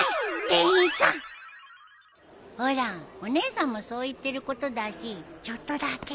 店員さんほらお姉さんもそう言ってることだしちょっとだけ。